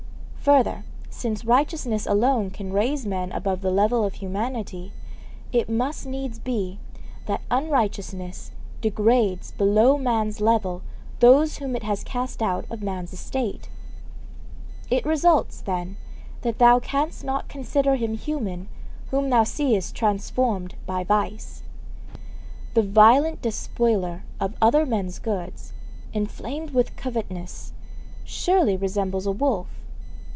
Further, since righteousness alone can raise men above the level of humanity, it must needs be that unrighteousness degrades below man's level those whom it has cast out of man's estate. It results, then, that thou canst not consider him human whom thou seest transformed by vice. The violent despoiler of other men's goods, enflamed with covetousness, surely resembles a wolf.